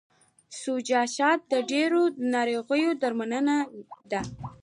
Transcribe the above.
سوچه شات د ډیرو ناروغیو درملنه ده.